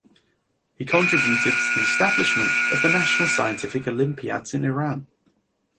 He contributed to the establishment of the national Scientific Olympiads in Iran.